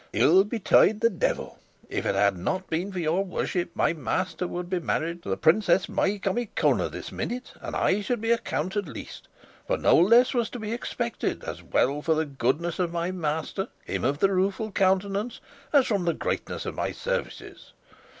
Ill betide the devil! if it had not been for your worship my master would be married to the Princess Micomicona this minute, and I should be a count at least; for no less was to be expected, as well from the goodness of my master, him of the Rueful Countenance, as from the greatness of my services.